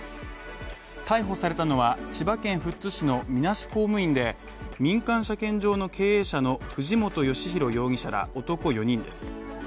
逮捕されたのは千葉県富津市のみなし公務員で民間車検場の経営者の藤本義博容疑者ら、男４人です。